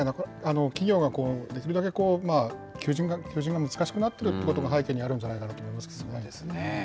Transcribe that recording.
企業が、できるだけこう、求人が難しくなってくるということが背景にあるんじゃないかと思いますね。